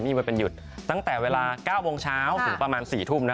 มีวันเป็นหยุดตั้งแต่เวลา๙โมงเช้าถึงประมาณ๔ทุ่ม